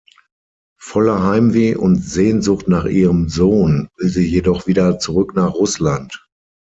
Voller Heimweh und Sehnsucht nach ihrem Sohn will sie jedoch wieder zurück nach Russland.